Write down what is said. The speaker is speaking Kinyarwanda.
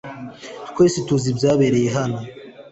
Twese tuzi ibyabereye hano .